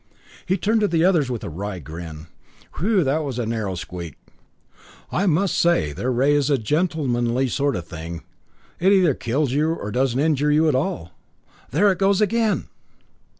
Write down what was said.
He turned to the others with a wry grin. "Whew that was a narrow squeak! I must say their ray is a gentlemenly sort of thing. It either kills you, or doesn't injure you at all. There it goes again!"